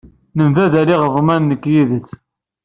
Nembaddal iɣeḍmen nekk yid-s.